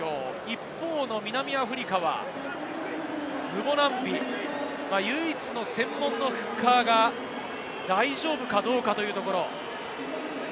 一方の南アフリカはムボナンビ、唯一の専門のフッカーが大丈夫かどうかというところ。